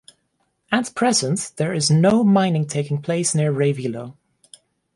At present there is no mining taking place near Reivilo.